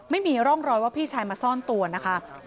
ไม่มีร่องรอยว่าพี่ชายมาซ่อนตัวนะคะ